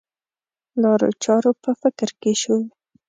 لارو چارو په فکر کې شو.